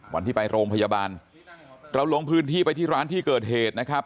วันที่ไปโรงพยาบาลเราลงพื้นที่ไปที่ร้านที่เกิดเหตุนะครับ